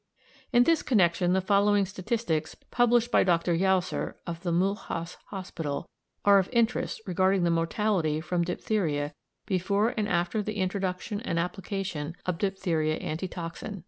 In this connection the following statistics, published by Dr. Jalzer, of the Mülhaus Hospital, are of interest regarding the mortality from diphtheria before and after the introduction and application of diphtheria anti toxin.